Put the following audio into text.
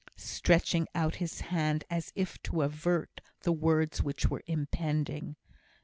(stretching out his hand as if to avert the words which were impending).